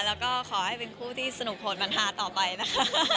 แล้วก็ขอให้เป็นคู่ที่สนุกโหดมันฮาต่อไปนะคะ